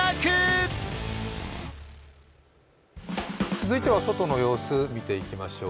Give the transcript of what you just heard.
続いては外の様子を見ていきましょう。